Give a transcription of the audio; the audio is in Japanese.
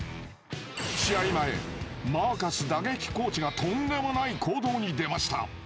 試合前、マーカス打撃コーチがとんでもない行動に出ました。